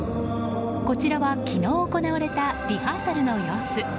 こちらは昨日行われたリハーサルの様子。